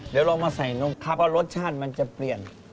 เดี๋ยวเรามาใส่นมครับว่ารสชาติมันจะเปลี่ยน